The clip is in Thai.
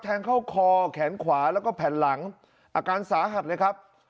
แทงเข้าคอแขนขวาแล้วก็แผ่นหลังอาการสาหัสเลยครับ